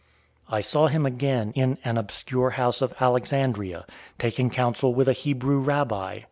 I saw him again in an obscure house of Alexandria, taking counsel with a Hebrew rabbi.